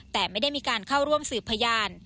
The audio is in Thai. แต่ไม่ได้มีการเข้าร่วมสืบพยาน